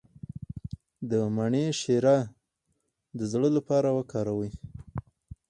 د مڼې شیره د زړه لپاره وکاروئ